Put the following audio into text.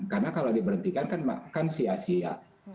karena kalau diberhentikan kan sia sia